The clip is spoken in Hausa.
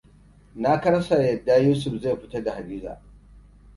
Na kasa yarda Yusuf zai fita da Hadiza.